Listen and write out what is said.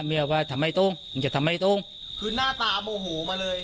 เมียว่าทำไมต้องมันจะทำไมต้องคือหน้าตาโมโหมาเลย